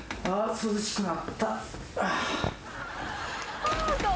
涼しくなった。